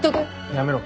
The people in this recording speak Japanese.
やめろ。